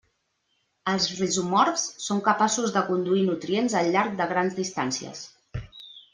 Els rizomorfs són capaços de conduir nutrients al llarg de grans distàncies.